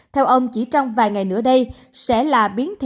theo ông chỉ trong vài ngày nữa đây sẽ là biến thể